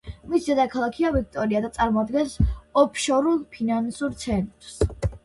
მისი დედაქალაქია ვიქტორია და წარმოადგენს ოფშორულ ფინანსურ ცენტრს.